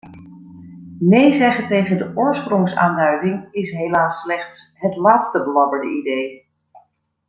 Nee zeggen tegen de oorsprongsaanduiding is helaas slechts het laatste belabberde idee.